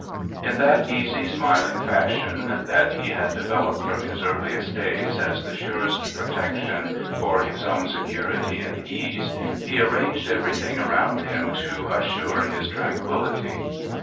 In that easy, smiling fashion that he had developed from his earliest days as the surest protection for his own security and ease, he arranged everything around him to assure his tranquillity.